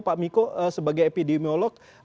pak miko sebagai epidemiolog